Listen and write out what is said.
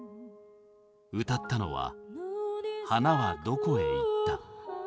歌ったのは「花はどこへ行った」。